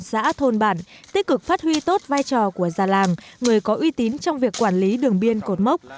xã thôn bản tích cực phát huy tốt vai trò của già làng người có uy tín trong việc quản lý đường biên cột mốc